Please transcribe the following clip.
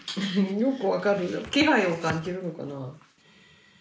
よく分かるな気配を感じるのかな。